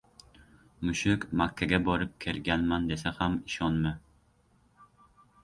• Mushuk “Makkaga borib kelganman” desa ham ishonma.